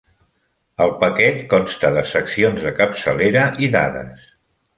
El paquet consta de seccions de capçalera i dades.